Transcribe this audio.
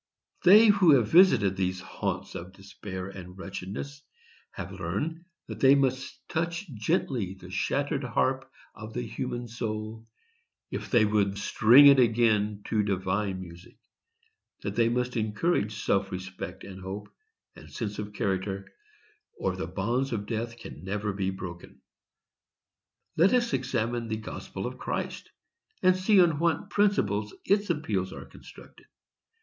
They who have visited these haunts of despair and wretchedness have learned that they must touch gently the shattered harp of the human soul, if they would string it again to divine music; that they must encourage self respect, and hope, and sense of character, or the bonds of death can never be broken. Let us examine the gospel of Christ, and see on what principles its appeals are constructed.